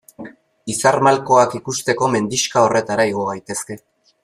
Izar malkoak ikusteko mendixka horretara igo gaitezke.